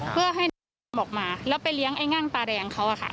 เพื่อให้น้ำมนต์ออกมาแล้วไปเลี้ยงไอ้ง่างตาแดงเขา